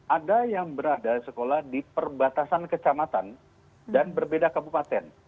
ada yang berada sekolah di perbatasan kecamatan dan berbeda kabupaten